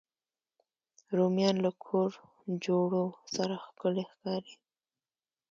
رومیان له کور جوړو سره ښکلي ښکاري